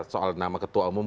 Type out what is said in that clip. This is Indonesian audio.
soal nama ketua umum